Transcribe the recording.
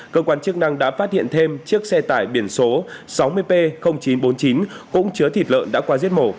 cơ quan chức năng đã phát hiện thêm chiếc xe tải biển số sáu mươi p chín trăm bốn mươi chín cũng chứa thịt lợn đã qua giết mổ